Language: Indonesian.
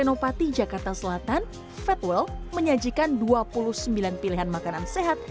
senopati jakarta selatan fetwell menyajikan dua puluh sembilan pilihan makanan sehat